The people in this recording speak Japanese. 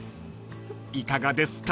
［いかがですか？］